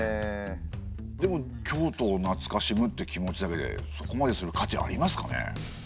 でも京都をなつかしむって気持ちだけでそこまでする価値ありますかね？